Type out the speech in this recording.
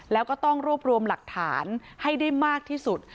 แล้วก็ต้องรวบรวมหลักฐานให้ได้มากที่สุด